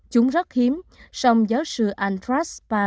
chúng rất hiếm song giáo sư andrew spahn của đại học rockefeller ở new york mỹ